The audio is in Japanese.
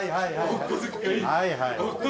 お小遣い。